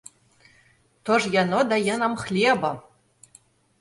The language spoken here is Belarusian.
То ж яно дае нам хлеба!